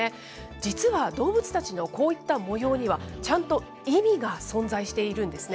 実は動物たちのこういった模様には、ちゃんと意味が存在しているんですね。